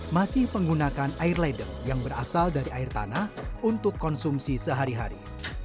masih menggunakan air ledek yang berasal dari air tanah untuk konsumsi sehari hari